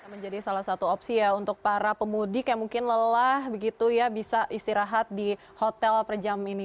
menjadi salah satu opsi ya untuk para pemudik yang mungkin lelah begitu ya bisa istirahat di hotel per jam ini